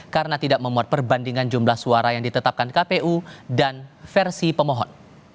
karena tidak memuat perbandingan jumlah suara yang ditetapkan kpu dan versi pemohon